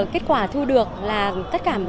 kết quả thu được là tất cả